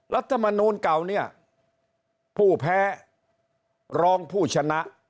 รัฐมนูลเก่าเนี่ยผู้แพ้รองผู้ชนะ